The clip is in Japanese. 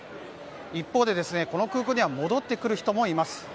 一方で、この空港には戻ってくる人もいます。